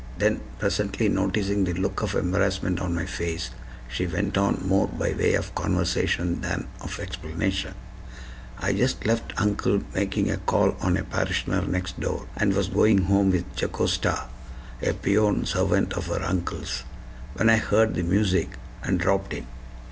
Then, presently noticing the look of embarrassment on my face, she went on, more by way of conversation than of explanation: "I just left uncle making a call on a parishioner next door, and was going home with Jocasta (a peon servant of her uncle's), when I heard the music, and dropped in.